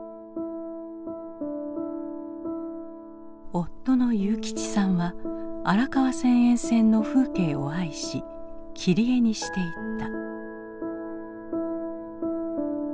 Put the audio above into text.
夫の祐吉さんは荒川線沿線の風景を愛し切り絵にしていった。